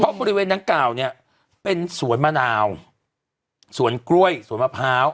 เพราะบริเวณดังกล่าวเนี่ยเป็นสวนมะนาวสวนกล้วยสวนมะพร้าว